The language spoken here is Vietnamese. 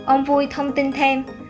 ông vui thông tin thêm